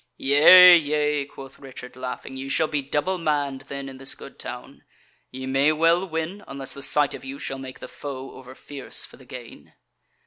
"Yea, yea," quoth Richard, laughing, "ye shall be double manned then in this good town: ye may well win, unless the sight of you shall make the foe over fierce for the gain."